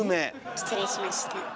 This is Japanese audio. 失礼しました。